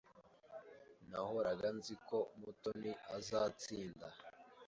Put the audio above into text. Nahoraga nzi ko Mutoni azatsinda.